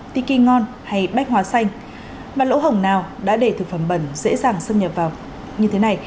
tiki ngon hay bách hóa xanh và lỗ hổng nào đã để thực phẩm bẩn dễ dàng xâm nhập vào như thế này